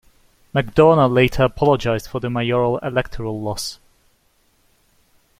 McDonagh later apologised for the mayoral electoral loss.